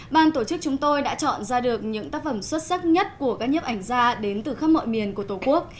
ban tổ chức chúng tôi đã chọn ra được những tác phẩm xuất sắc nhất của các nhếp ảnh gia đến từ khắp mọi miền của tổ quốc